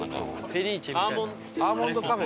アーモンドカフェ？